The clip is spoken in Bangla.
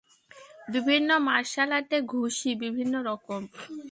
বিভিন্ন মার্শাল আর্টে ঘুষি বিভিন্ন রকম।